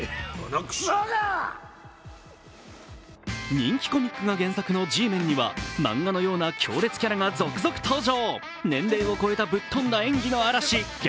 人気コミックが原作の「Ｇメン」には漫画のような強烈キャラが続々登場。